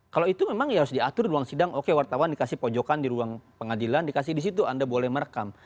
kalau itu memang ya harus diatur ruang sidang oke wartawan dikasih pojokan di ruang pengadilan dikasih di situ anda boleh merekam